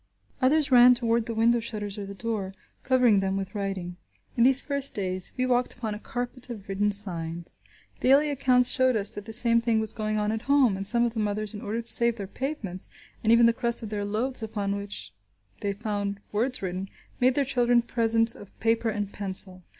Others ran toward the window shutters or the door, covering them with writing. In these first days we walked upon a carpet of written signs. Daily accounts showed us that the same thing was going on at home, and some of the mothers, in order to save their pavements, and even the crust of their loaves upon which they found words written, made their children presents of paper and pencil.